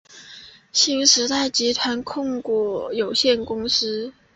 新时代集团控股有限公司。